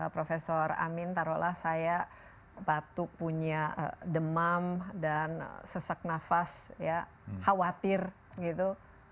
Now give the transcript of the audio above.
prof amin taruhlah saya batuk punya demam dan sesak nafas ya khawatir gitu